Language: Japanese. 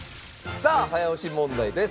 さあ早押し問題です。